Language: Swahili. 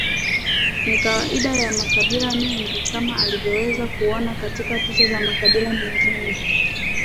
Ni kawaida ya makabila mengi kama unavyoweza kuona katika picha za makabila mengine